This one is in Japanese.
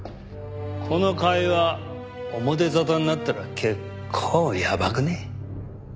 この会話表沙汰になったら結構やばくね？